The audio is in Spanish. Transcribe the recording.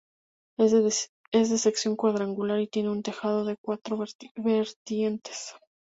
Es de sección cuadrangular y tiene un tejado de cuatro vertientes.